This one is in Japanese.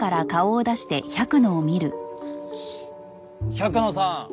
百野さん